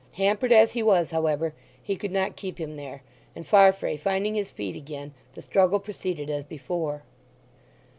Hampered as he was, however, he could not keep him there, and Farfrae finding his feet again the struggle proceeded as before.